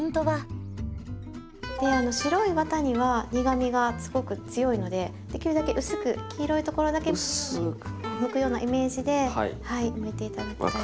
白いワタには苦みがすごく強いのでできるだけ薄く黄色いところだけむくようなイメージでむいて頂きたいと思います。